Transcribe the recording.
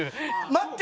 待って！